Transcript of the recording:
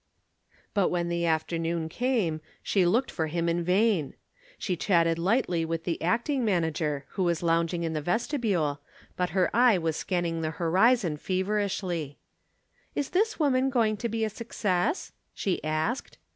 But when the afternoon came, she looked for him in vain. She chatted lightly with the acting manager, who was lounging in the vestibule, but her eye was scanning the horizon feverishly. "Is this woman going to be a success?" she asked.